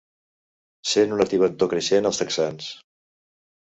Sent una tibantor creixent als texans.